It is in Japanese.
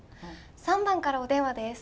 「３番からお電話です」。